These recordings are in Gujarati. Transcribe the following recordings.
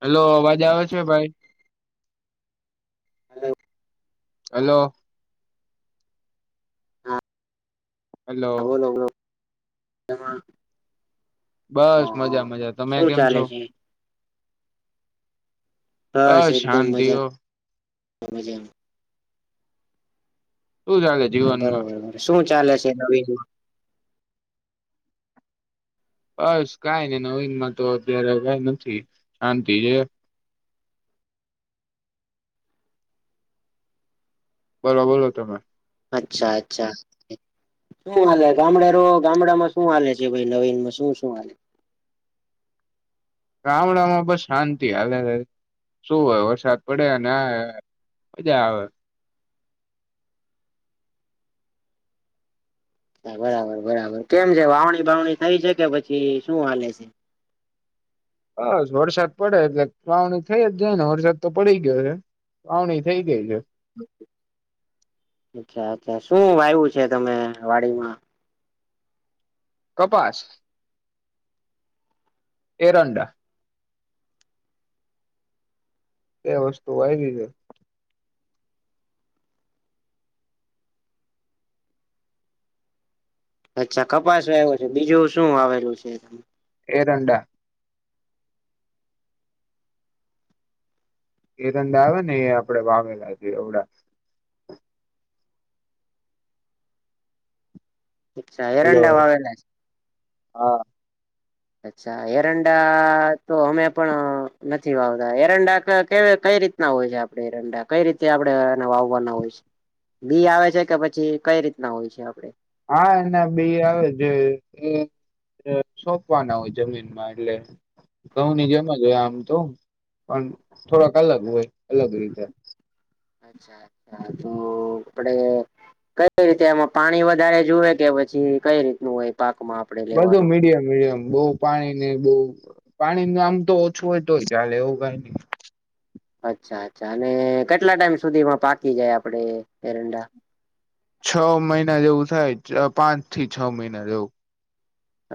હેલો અવાજ આવ છે ભાઈ. Hello hello. હલો હા બોલો બોલો તે પણ બસ મજા મજા હ તમે શું કેમ ચાલે છો? છે હ બસ એકદમ શાંતિ મજામાં ઓ. મજામાં શું ચાલે હા જીવનમાં બરોબર શું ચાલે છે નવીન. બસ કાઈ ની નવીનમાં તો અત્યારે તો કાઈ નથી શાંતિ છે. બોલો બોલો તમે. અચ્છા અચ્છા. શું હાલે ગામડા રો ગામડામાં શું હાલે છે ભાઈ નવીનમાં શું શું હાલે. ગામડામાં બસ શાંતિ હાલે શું હોય વરસાદ પડે અને મજા આવે. બરાબર બરાબર કેમ છે વાવણી બાવણી થઈ છે કે પછી શું હાલે છે. બસ વરસાદ પડે એટલે વાવણી થઈ જ જાય ને વરસાદ તો પડી ગયો હે. વાવણી થઈ ગઈ છે. અચ્છા અચ્છા શું વાયવું છે તમે વાડીમાં? કપાસ. એરંડા. એ વસ્તુ વાયવી છે. અચ્છા કપાસ વાયવો છે બીજું શું વાવેલું છે. એરંડા. એરંડા આવે ને એ આપડે વાવેલા છેએ એવડા. અચ્છા એરંડા વાવેલા છે. હા. અચ્છા એરંડા તો અમે પણ નથી વાવતા એરંડા કે કે કઈ રીત. ના હોય છે આપણે એરંડા કઈ રીતે આપડે એને વાવવાના હોય છે. બી આવે છે કે પછી કઈ રીતના હોય છે આપડે હા એના બી આવે છે કે. એ છોપવાના હોય જમીનમાં એટલે. ઘઉ ની જેમ જ હોય આમ તો પણ થોડાક અલગ હોય અલગ રીતે અચ્છા અચ્છા તો આપડે કઈ રીતે એમાં પાણી વધારે જુવે કે પછી કઈ રીતનું હોય પાકમાં આપડે લેવાનો બધું મીડિયમ મીડિયમ બઉ પાણી ને બઉ પાણી નું આમ તો ઓછું હોય તો ચાલે એવું કઈ નહી. અચ્છા અચ્છા અને કેટલા ટાઈમ સુધીમાં પાકી જાય આપડે એરંડા છ મહિના જેવું થાય પાંચ થી છ મહિના એવું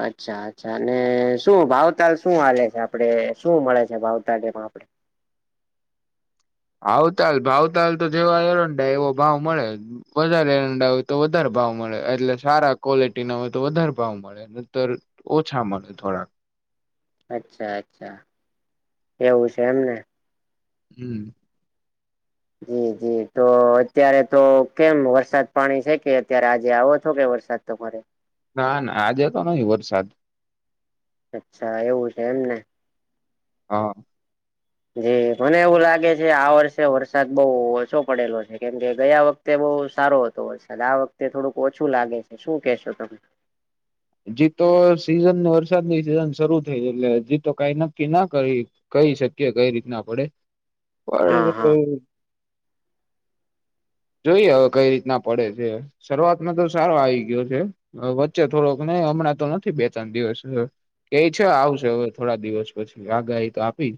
અચ્છા અચ્છા અને શું ભાવતાલ શું હાલે છે આપડે શું મળે છે ભાવતાલ એમાં આપડે ભાવતાલ ભાવતાલ તો જેવા એરડા એવો ભાવ મળે વધારે એરંડા હોય તો વધારે ભાવ મળે એટલે સારા ક્વોલિટી ના હોય તો વધારે ભાવ મળે તો લ ઓછા મળે થોડાક અચ્છા અચ્છા એવું છે એમને હમ જી જી તો અત્યારે તો કેમ વરસાદ પાણી છે કે અત્યારે આજે આવો છો કે વરસાદ તમારે ના ના આજે તો નહીં વરસાદ અચ્છા એવું છે એમ ને હ અ જી મને એવું લાગે છે આ વર્ષે વરસાદ બહુ ઓછો પડેલો છે કેમકે ગયા વક વક્તે બઉ સારો હતો વર્સાદ આ વક્તે થોડુંક ઓછું લાગે છે શું કેશો તમે હજીતો સીઝન વરસાદની સિઝન શરૂ થઈ એટલે હજી તો કાઈ નક્કી ના કરી કહી શકીએ કઈ રીતના પડે હા પણ બઉ હા [inaudible] જોઈએ હવે કઈ રીતના પડે છે શરૂઆતમાં તો સારો આયી ગયો છે વચ્ચે થોડોક ને હમણાં તો નથી બે ત્રણ દિવસ થયો કઈ છે આવશે હવે થોડા દિવસ પછી આગાહી તો આપી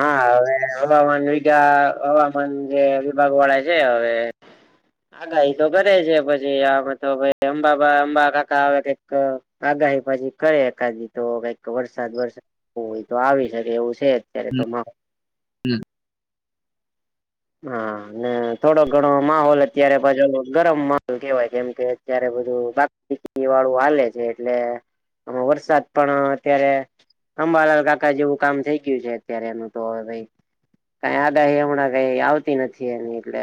હા હવે હવામાન વિગા હવામાન જે વિભાગ વાળા છે હવે આગાહિ તો કરે છે પછી આ તો હવે અંબા બા અંબા કાકા આવે આગાહી પછી કરે એકાદી તો કઈક વરસાદ વરસાદ બઉ હોય તો આવી શકે એવું છે અત્યારે જ. તો મા હમ હા અને થોડો ઘણો માહોલ અત્યારે ગરમ માહોલ કેવાય કેમ કે અત્યારે બધું વાળું હાલે છે એટલે આમાં વરસાદ પણ અત્યારે અંબાલાલ કાકા જેવું કામ થઈ ગયું છે અત્યારે એનું તોવે ક આદાહી હમણાં આવતી નથી એની એટલે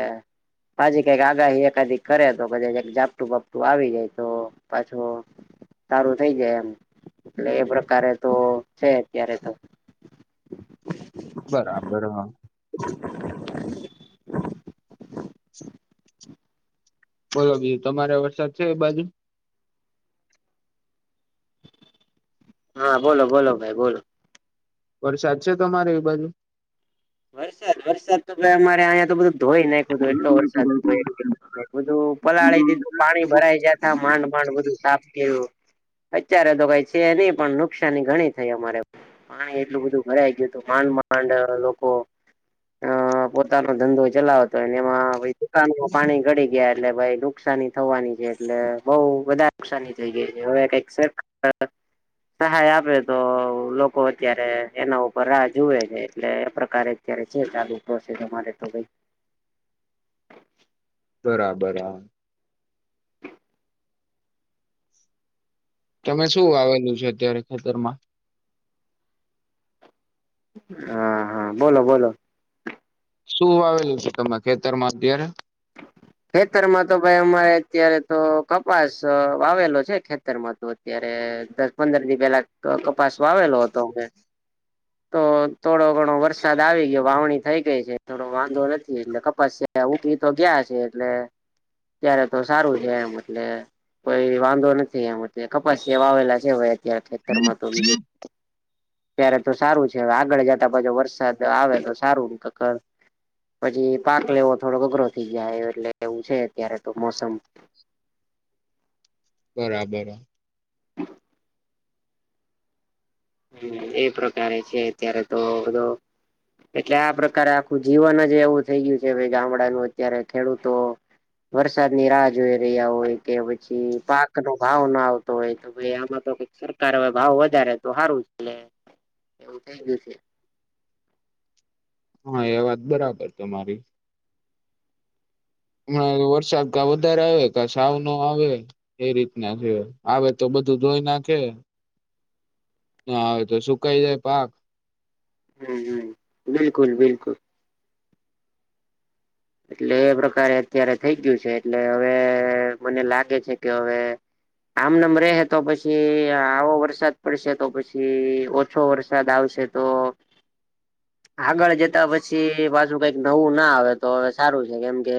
બાછી કઈક આગાહી એકાધ કરે તો કા ઝપટું બાપટું આવી જાય તો પાછો સારું થઈ જાય એમ એટલે એ પ્રકારે તો છે અત્યારે તો બરાબર હ બોલો બીજું તમારે વરસાદ થયો એ બાજુ હા બોલો બોલો ભાઈ બોલો વરસાદ છે તમારે એ બાજુ વરસાદ વરસાદ તો ભ અમારે અહીંયા તો બધું ધોઈ નાખુંું એટલો વરસાદ હતો બધું પલાળી દીધું પાણી ભરાઈ જતા માંડ માંડ બધું સાફ થયું અત્યારે તો કઈ છે નહી પણ નુકસાની ઘણી થઈ અમારે પાણી એટલું બધું ભરાઈ ગયું હતું માંડ માંડ લોકો અ પોતાનો ધંધો ચલાવતોને એમાં દુકાાનમાં પાણી ગડી ગયા એટલે ભ નુકસાની થવાની છે એટલે બઉ બધારે નુકસાની થઈ ગઈ છે હવે કઈક સર સહાય આપે તો લોકો અત્યારે એના ઉપર રાહ જોુવે છે એટલે એ પ્રકાર ારે અત્યારે છે ચાલુશેરે તો ભાઈ બરાબર તમે શું આવેલું છે અત્યારે ખાતરમાં હા હા બોલો બોલો શું વાવેલું છે તમાર ખેતરમાં અત્યારે. ખેતરમાં તો ભાઈ અમારે અત્યારે તો કપાસ વાવેલો છે ખેતર માં તો ત્યારે દસ પંદર દી પેલા ક કપાસ વાવેલો હતો મે. તો થોડો ઘણો વરસાદ આવી ગ્યો વાવણી થઈ ગઈ છે થોડો વાંધો નથી એટલે કપાસ્યા યા ઉપની તો ગ્યા છે એટલે ત્યારે તો સારું છે એમ એટલે તોઈ વાંધો નથી એમ તે કપાસિયા વાવેલા છે હવે અત્યારે ખેતરમાં તો બીજું ત્યારે તો સારું છે હવે આગળ જતા પછુ વરસાદ આવે તો સારું કક્કર પછી પાક લેવો થોડોક અઘરો થઈ જાય એટલે એવું છે અત્યારે તો મોસમ. બરાબર. હ એ પ્રકારે છે અત્યારે તો બધ એટલે આ પ્રકારે આખું જીવન જ એવું થઈ ગ્યું છે હવે ગામડાનું અત્યારે ખેડૂતો વરસાદ ની રાહ જોઈ રહ્યા હોય કે પછી પાક નો ભાવ ના આવતો હોય તો કે ભઈ આમાં તો કઈક સરકાર હવે ભાવ વધારે તો સારું છે એટલે એવું થઈ ગ્યું છે. હા એ વાત બરાબર તમારી. હમણા એ વરસાદ કા વધારે આવે કા સાવ નો આવે એ રીતના છે આવે તો બધું ઘોઈ નાખે ના આવે તો સુકાઈ જાય પાક. હમ હમ બિલકુલ બિલકુલ. એટલે એ પ્રકારે અત્યારે થઈ ગ્યું છે એટલે હવે મને લાગે છે કે હવે આમનમ રેહે તો પછી આવો વરસાદ પડશે તો પછી ઓત છો વરસાદ આવશે તો આગળ જતા પછી પાછુ કઈક નવું ના આવે તો હવે સારું છે કેમ કે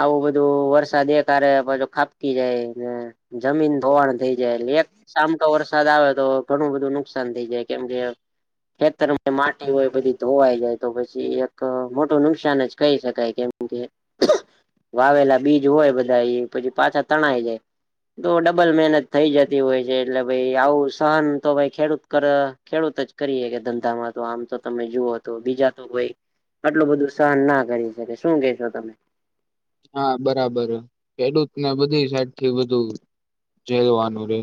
આવું બધું વરસાદ એક હારે પછું ખાબકી જાય ને જમીન ધોવાણ થઈ જાયલે એક સામ ટો વરસાદ આવે તો ઘણું બધું નુકસાન થઇ જાય કેમ કે ખેતર માટી હોય બધી ધોવાઈ જાય તો પછી એક મોટું નુકસાન જ કહી શકાય કેમ કે [inaudible] વાવેલા બીજ હોય બધા ઈ પછી પાછા તણાઈ જાય. તો ડબલ મહેનત થઈ જતી હોય છે એટલે ભઈ આવું સહન તો ભાઈ ખેડૂત કર ખેડૂત જ કરીએ હકે ધંધામાં. તો આમ તો તમે જુઓ તો બીજા તો કોઈ આટલું બધું સહન ના કરી શકે શું કેશો તમે. હા બરાબર હ ખેડૂત ને બધી સાઈડ થી બધું જેવાનું રે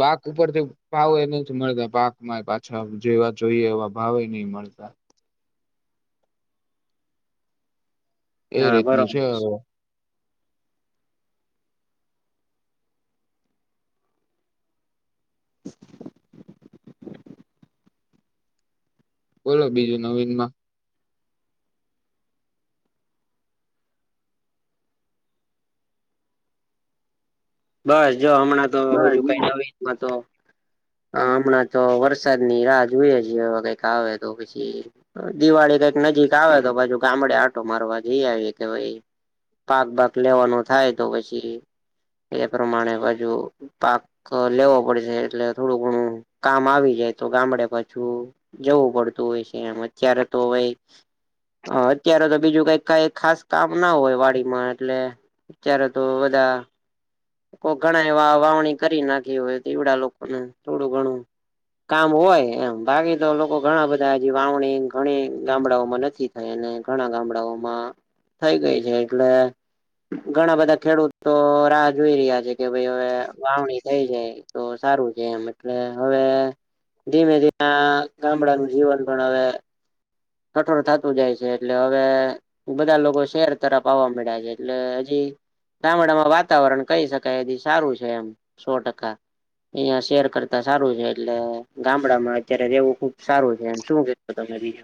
પાક ઉપરથી ભાવ એ નીથ મળતા પાકમાં પાછા જેવા જોઈએ એવા ભાવેય નીહ મળતા. એ હા રીતનું બરોબર છે હવે. બોલો બીજું નવીન માં. બસ જો હમણાં તો બીજું કઈ નવીન માં તો હ હમણાં તો વરસાદ ની રાહ જોઈએ છે હ કઈક આવે તો પછી દિવાળી કંઈક નજીક આવે તો પાછુ ગામડે આટો મારવા જઈ આવી કે ભઈ પાક બાક લેવાનો થાય તો પછી એ પ્રમાણે બાજુ પાક તો લેવો પડશે એટલે થોડું ઘણું કામ આવી જાય તો ગામડે પાછું જવું પડતું હોય છે એમ અત્યારે તો હવે હ અત્યારે તો બીજું કઈ કઈ ખાસ કામ ના હોય વાડીમાં એટલે અચાર તો બધા કો ઘણા એવા વાવણી કરી નાખી હોય દીવડા લોકોનું થોડું ઘણું કામ હોય એમ બાકી તો લોકો ઘણા બધા હજી વાવણીન ઘણી ગામડાઓમાં નથી હેય નઈન ઘણા ગામડાઓમાં થઈ ગઈ છે એટલે ઘણા બધા ખેડૂતો તો રાહ જોઈ રહ્યા છે કે ભાઈ હવે વાવણી થઈ જાય તો સારું છે એમ એટલે હવે- ધીમે ધીમે ગામડાનું જીવન ગણ આવે- કઠોર થતું જાય છે. એટલે હવે- બધા લોકો શહેર તરફ આવવા માંડ્યા છે. એટલે હજી ગામડામાં વાતાવરણ કઈ શકાય એ સારું છે. એમ સો ટકા- અહિયાં શેર કરતા સારું છે એટલે ગામડામાં અત્યારે રહેવું ખુબ સારું છે શું કે- પતા કરી-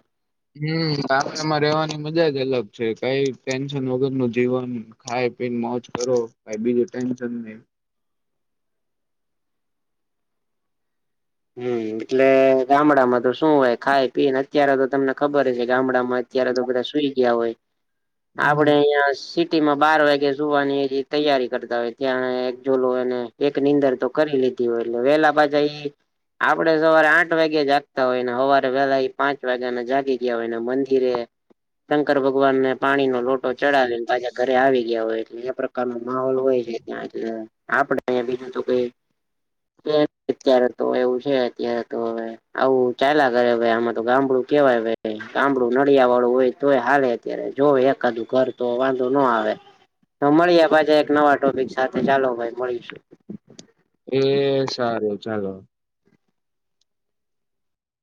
હમ ગામડામાં રવાની મજા જ અલગ છે કઈ ટેન્શન વગર નું જીવન- ખાય પીને મોજ કરો ભ બીજું ટેન્શન નહી- હમ એટલે ગામડામાં તો શું હોય ખાય પીને અત્યારે તો તમને ખબર છે ગામડામાં- અત્યારે તો બધા સુઈ ગયા હોય હમ આપડે- અહં સિટી માં બાર વાગે જોવાની તૈયારી કરતા હોય ત્યાં એક જોલો એ- એક નીંદર તો કરી લીધી હોય એટલે વેલા બાજા એ- આપડે સવારે આઠ વાગે જાગતા હોય ને સવારે વેલા પાંચ વાગ્યાને જાગી ગયા હોય ને મંદિરે- શંકર ભગવાનને પાણીનોો લોટો ચડાવીને પાછા ઘરે આવી ગયા હોય એટલે- ન માહોલ હોય છે. ત્યા આપડે બીજું તો કઈ ત્યારે- તો એવું છે. અત્યારે તો હવે- આવું ચાલા કરે આમાં તો ગામડું કેવાય ભ ગામડું નળિયા વાળું હોય તોય હાલે- અત્યારે જો એકાદું ઘર તો વાંધો ના આવે- તો મળીએ પાજે એક નવા ટોપિક સાથે ચાલો ભાઈ મળીશું- એ સારું ચાલો-